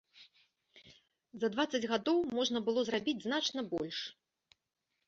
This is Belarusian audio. За дваццаць гадоў можна было зрабіць значна больш.